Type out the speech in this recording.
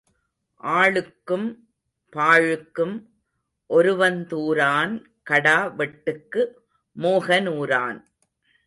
ஆழுக்கும் பாழுக்கும் ஒருவந்துாரான் கடா வெட்டுக்கு மோகனுராான்.